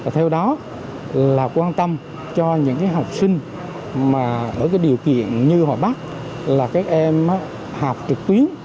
theo đó là quan tâm cho những học sinh mà ở cái điều kiện như hòa bắc là các em học trực tuyến